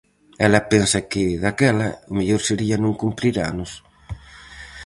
Ela pensa que, daquela, o mellor sería non cumprir anos.